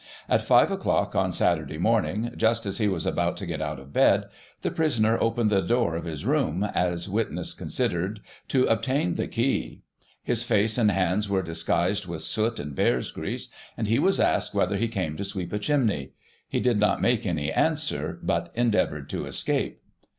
At 5 o'clock on Saturday morning, just as he was about to get out of bed, the prisoner opened the door of his room, as witness considered, to obtain the key; his face and hands were disguised with soot and bear's grease, and he was asked whether he came to sweep a chimney: he did not make any answer, but endeavoured to escape.